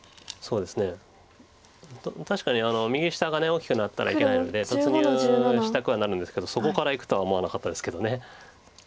大きくなったらいけないので突入したくはなるんですけどそこからいくとは思わなかったですけど。